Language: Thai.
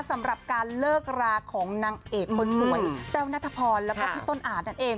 สำหรับการเลิกราของนางเอกคนสวยแต้วนัทพรแล้วก็พี่ต้นอาจนั่นเอง